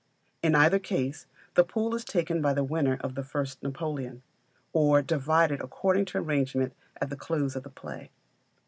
In either case, the pool is taken by the winner of the first Napoleon, or divided according to arrangement at the close of the play.